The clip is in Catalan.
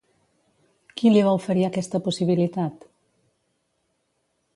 Qui li va oferir aquesta possibilitat?